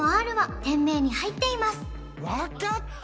分かった！